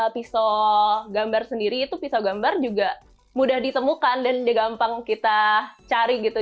pisau gambar sendiri itu pisau gambar juga mudah ditemukan dan gampang kita cari gitu